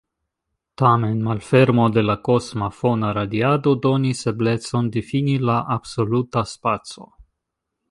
Tamen, malfermo de la kosma fona radiado donis eblecon difini la absoluta spaco.